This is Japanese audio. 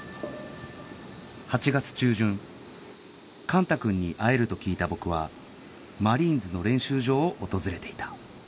幹汰君に会えると聞いた僕はマリーンズの練習場を訪れていた